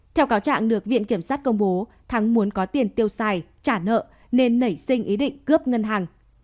theo cáo trạng được viện kiểm sát công bố thắng muốn có tiền tiêu xài trả nợ nên nảy sinh ý định cướp ngân hàng